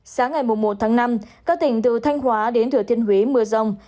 sáng ngày một tháng năm các tỉnh từ thanh hóa đến thừa thiên huế mưa rông